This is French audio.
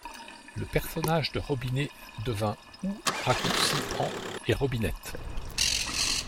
Le personnage de Robinet devint ' ou ', raccourci en '; et Robinette '.